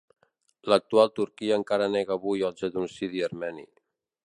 L'actual Turquia encara nega avui el genocidi armeni.